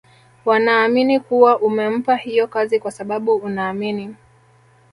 wanaamini kuwa umempa hiyo kazi kwa sababu unaamini